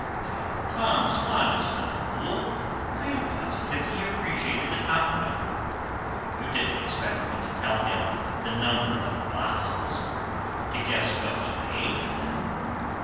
"Come, come; Swann is not a fool. I am positive he appreciated the compliment. You didn't expect me to tell him the number of bottles, or to guess what he paid for them."